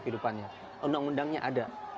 hidupannya undang undangnya ada